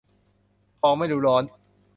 ทองไม่รู้ร้อน